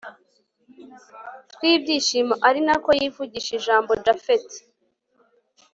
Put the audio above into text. twibyishimo arinako yivugisha ijambo japhet